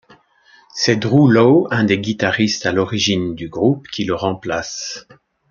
C'est Drew Lowe, un des guitaristes à l'origine du groupe, qui le remplace.